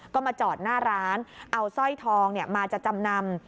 ก็มาจอดหน้าร้านเอาสร้อยทองมาจะจำนำ